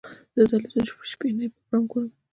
زه د تلویزیون شپهني پروګرام ګورم.